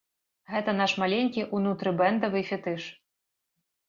Гэта наш маленькі унутрыбэндавы фетыш.